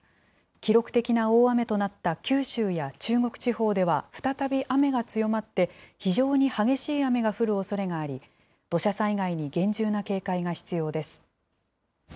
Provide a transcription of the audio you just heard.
記録的な大雨となった九州や中国地方では再び雨が強まって、非常に激しい雨が降るおそれがあり、土砂災害に厳重な警戒が必要です。